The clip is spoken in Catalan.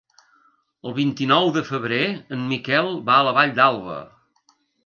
El vint-i-nou de febrer en Miquel va a la Vall d'Alba.